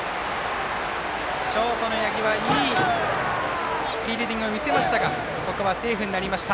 ショートの八木はいいフィールディングを見せましたがここはセーフになりました。